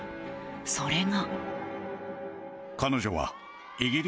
それが。